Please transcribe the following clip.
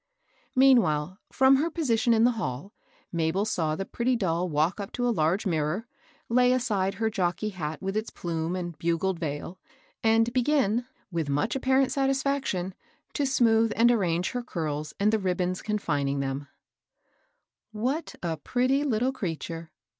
Meanwhile, from her position in the hall, Mabel saw the pretty doll walk up to a large mirror, lay aside her jockey hat with its plume and bugled veil, and begin, with much apparent satisfaction, to smooth and arrange her curls and the ribbons con £nmg them. ARISTOCRACY. 811 What a pretty little creature